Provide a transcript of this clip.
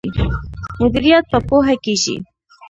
مدیریت په پوهه کیږي.